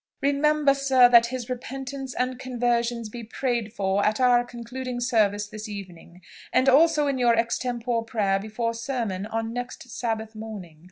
Remember, sir, that his repentance and conversion be prayed for at our concluding service this evening, and also in your extempore prayer before sermon on next Sabbath morning."